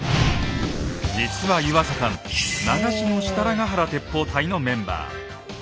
実は湯浅さん「長篠・設楽原鉄砲隊」のメンバー。